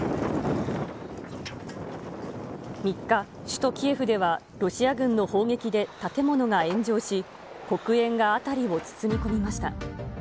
３日、首都キエフでは、ロシア軍の砲撃で建物が炎上し、黒煙が辺りを包み込みました。